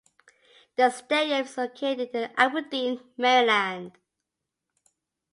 The stadium is located in Aberdeen, Maryland.